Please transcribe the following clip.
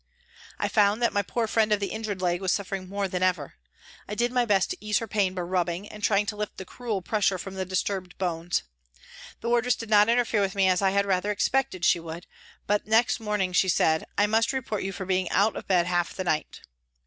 I found that my poor friend of the injured leg was suffering more than ever. I did my best to ease her pain by rubbing and trying to lift the cruel pressure from the disturbed bones. The wardress did not interfere with me as I had rather expected she would, but the next morning she said, " I must report you for being out of bed half the night."